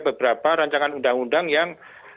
beberapa rancangan undang undang yang